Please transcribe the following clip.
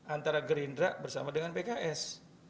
antara gerindra bersama dengan pks